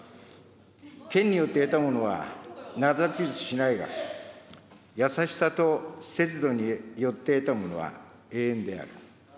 剣によって得たものは長続きしないが、優しさと節度によって得たものは永遠である。